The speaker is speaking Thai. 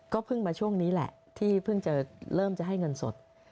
ก็เพิ่งมาช่วงนี้แหละที่เริ่มจะให้เงินสด